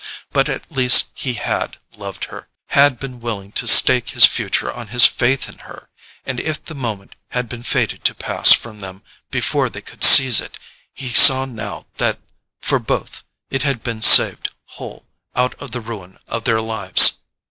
But at least he HAD loved her—had been willing to stake his future on his faith in her—and if the moment had been fated to pass from them before they could seize it, he saw now that, for both, it had been saved whole out of the ruin of their lives.